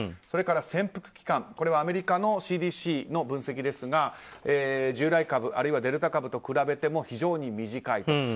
それから潜伏期間、これはアメリカのＣＤＣの分析ですが従来株、デルタ株と比べても非常に短いと。